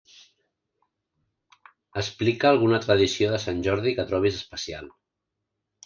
Explica alguna tradició de Sant Jordi que trobis especial.